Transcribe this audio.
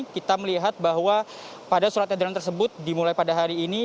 kita melihat bahwa pada surat edaran tersebut dimulai pada hari ini